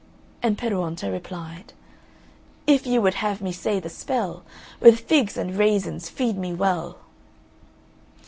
And Peruonto replied "If you would have me say the spell, With figs and raisins feed me well!"